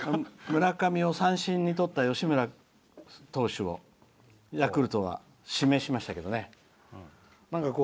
村上を三振にとった吉村投手をヤクルトは指名しましたけどね。